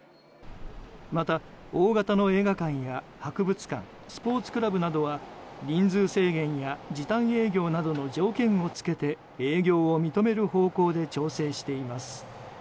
また、大型の映画館や博物館スポーツクラブなどは人数制限や時短営業などの条件を付けて営業を認める方向で調整しています。